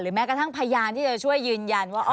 แม้กระทั่งพยานที่จะช่วยยืนยันว่า